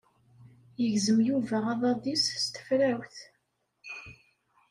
Yegzem Yuba aḍad-is s tefrawt.